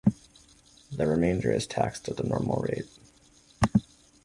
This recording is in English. The remainder is taxed at the normal rate.